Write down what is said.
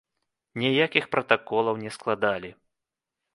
Ніякіх пратаколаў не складалі.